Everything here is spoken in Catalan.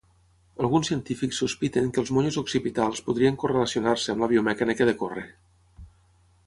Alguns científics sospiten que els monyos occipitals podrien correlacionar-se amb la biomecànica de córrer.